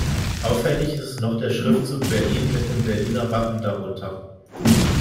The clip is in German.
Auffällig ist noch der Schriftzug "Berlin" mit dem Berliner Wappen darunter.